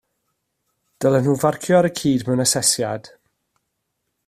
Dylen nhw farcio ar y cyd mewn asesiad